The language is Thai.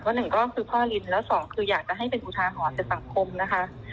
หนึ่งก็คือพ่อลินแล้วสองคืออยากจะให้เป็นอุทาหรณ์จากสังคมนะคะ